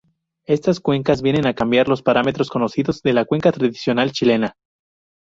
Estas cuecas vienen a cambiar los parámetros conocidos de la cueca tradicional chilena.